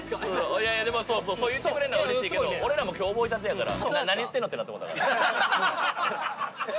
いやでもそうそうそう言ってくれるのは嬉しいけど俺らも今日覚えたてやから「何言っての？」ってなってもうたから。